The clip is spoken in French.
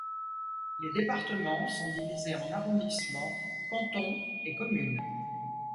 Les départements sont divisés en arrondissements, cantons et communes.